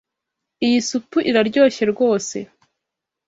Iyi supu iraryoshye rwose.